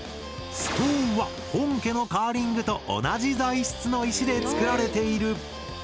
ストーンは本家のカーリングと同じ材質の石で作られている！